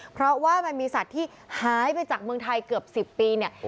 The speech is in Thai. เพราะว่ามันมีสัตว์ที่หายไปจากเมืองไทยเกือบ๑๐ปีเนี่ย